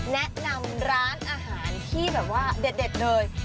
แนะนำร้านอาหารที่แบบว่าเด็ดเลย